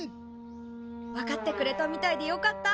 分かってくれたみたいでよかった。